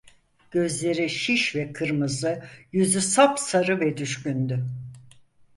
Gözleri şiş ve kırmızı, yüzü sapsarı ve düşkündü.